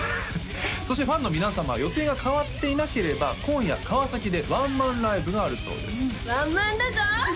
そしてファンの皆様予定が変わっていなければ今夜川崎でワンマンライブがあるそうですワンマンだぞ！